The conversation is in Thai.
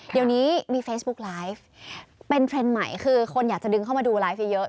เดี๋ยวนี้มีเฟซบุ๊กไลฟ์เป็นเทรนด์ใหม่คือคนอยากจะดึงเข้ามาดูไลฟ์เยอะ